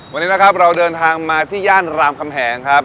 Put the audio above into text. วันนี้นะครับเราเดินทางมาที่ย่านรามคำแหงครับ